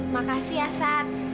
makasih ya sat